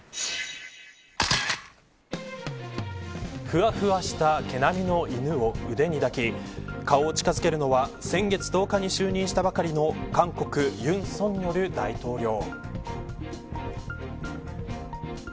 ふわふわした毛並みの犬を腕に抱き顔を近づけるのは先月１０日に就任したばかりの韓国、尹錫悦大統領。